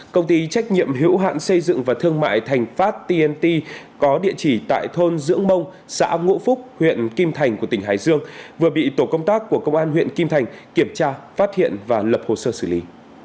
công ty trách nhiệm hữu hạn xây dựng và thương mại thành pháp tnt có địa chỉ tại thôn dưỡng mông xã ngũ phúc huyện kim thành của tỉnh hải dương vừa bị tổ công tác của công an huyện kim thành kiểm tra phát hiện và lập hồ sơ xử lý